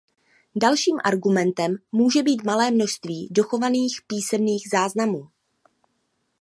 Dalším argumentem může být malé množství dochovaných písemných záznamů.